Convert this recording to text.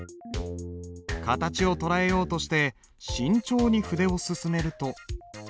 形を捉えようとして慎重に筆を進めると。